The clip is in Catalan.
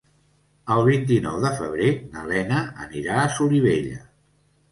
El vint-i-nou de febrer na Lena anirà a Solivella.